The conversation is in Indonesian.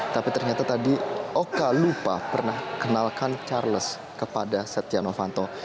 tapi ternyata tadi oka lupa pernah kenalkan charles kepada setia novanto